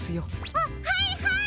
あっはいはい！